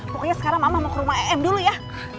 pokoknya sekarang mama mau ke rumah em dulu ya